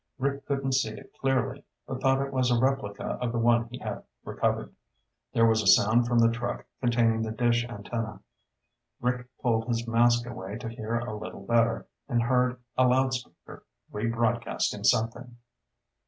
Rick couldn't see it clearly, but thought it was a replica of the one he had recovered. There was sound from the truck containing the dish antenna. Rick pulled his mask away to hear a little better and heard a loudspeaker, rebroadcasting something.